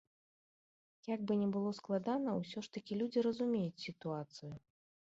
Як бы не было складана, усё ж такі людзі разумеюць сітуацыю.